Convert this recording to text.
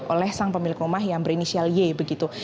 oleh sang pemilik rumah yang berinisial y begitu